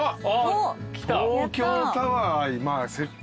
あっ！